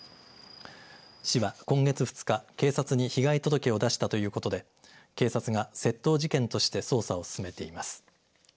市は今月２日警察に被害届を出したということで警察が窃盗事件として捜査を進めています。